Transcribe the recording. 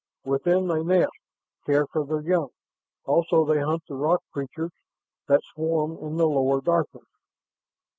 "Within they nest, care for their young. Also they hunt the rock creatures that swarm in the lower darkness."